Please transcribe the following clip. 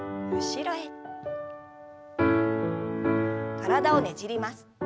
体をねじります。